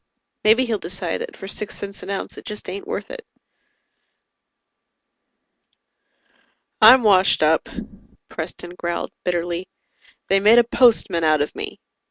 Maybe he'll decide that for six cents an ounce it just ain't worth it._ "I'm washed up," Preston growled bitterly. "They made a postman out of me.